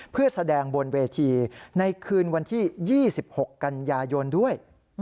เพื่อแสดงบนเวทีในคืนวันที่๒๖กันยายนด้วย